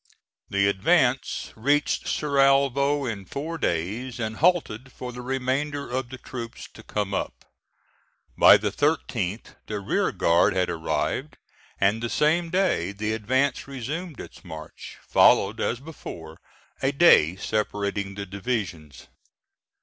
The advance reached Cerralvo in four days and halted for the remainder of the troops to come up. By the 13th the rear guard had arrived, and the same day the advance resumed its march, followed as before, a day separating the divisions.